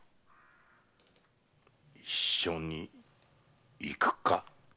一緒に行くか？